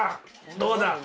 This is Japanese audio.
どうだ！